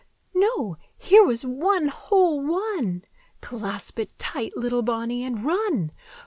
No, here was one whole one! Clasp it tight, little Bonny, and run!